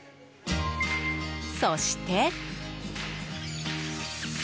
そして。